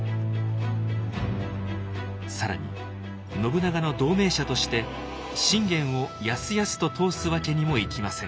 更に信長の同盟者として信玄をやすやすと通すわけにもいきません。